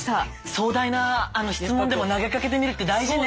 壮大な質問でも投げかけてみるって大事ね。